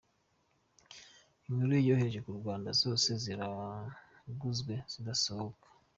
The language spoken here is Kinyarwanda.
Inkuru yohereje ku Rwanda zose zaraguzwe zigasohoka.